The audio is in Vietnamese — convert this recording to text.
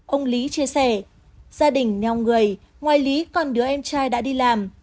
ông lý chia sẻ gia đình neo người ngoài lý còn đứa em trai đã đi làm